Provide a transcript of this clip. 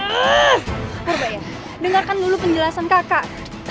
hmmy dengarkan dulu penjelasan kakak